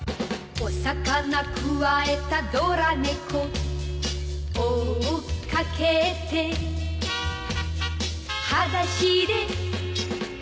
「お魚くわえたドラ猫」「追っかけて」「はだしでかけてく」